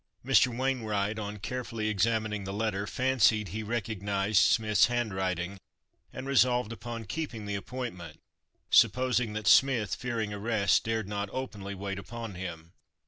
Mr. Wainwright, on carefully examining the letter, fancied he recognised Smith's handwriting, and resolved upon keeping the appointment, supposing that Smith, fearing arrest, dared not openly wait upon him.